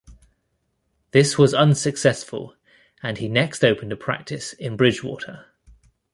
This was unsuccessful, and he next opened a practice in Bridgewater.